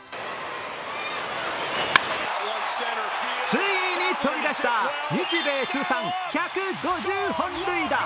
ついに飛び出した日米通算１５０本塁打。